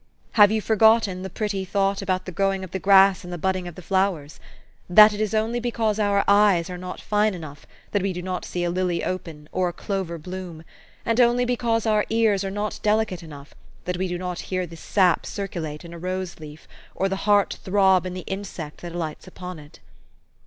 Have you forgotten the pretty thought about the growing of the grass and budding of the flow ers ? that it is only because our eyes are not fine enough, that we do not see a lily open, or a clover blooni ; and only because our ears are not delicate enough, that we do not hear the sap circulate in a rose leaf, or the heart throb in the insect that alights upon it."